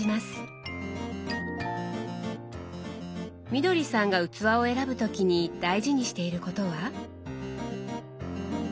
みどりさんが器を選ぶ時に大事にしていることは？